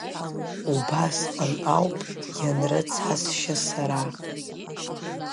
Убасҟан ауп ианрыцҳасшьа сара.